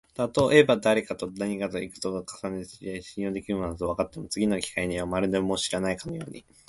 たとえばだれかと何回となく機会を重ねて知り合い、信用のできる者だとわかっても、次の機会にはもうまるで全然知らないかのように、